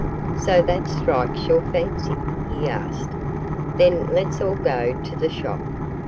"So that strikes your fancy?" he asked. "Then let's all go to the shop.